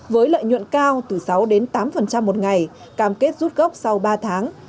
với lợi nhuận cao từ sáu đến tám một ngày cam kết rút gốc sau ba tháng